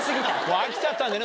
飽きちゃったんだね